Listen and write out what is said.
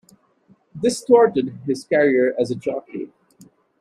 This thwarted his career as a jockey.